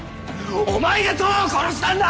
お前が十和を殺したんだ！